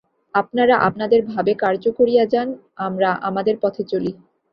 আপনারা আপনাদের ভাবে কার্য করিয়া যান, আমরা আমাদের পথে চলি।